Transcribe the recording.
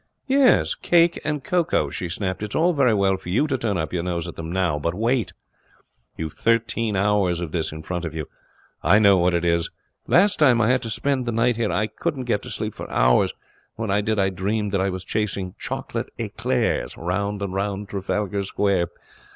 'Yes, cake and cocoa,' she snapped. 'It's all very well for you to turn up your nose at them now, but wait. You've thirteen hours of this in front of you. I know what it is. Last time I had to spend the night here I couldn't get to sleep for hours, and when I did I dreamed that I was chasing chocolate eclairs round and round Trafalgar Square.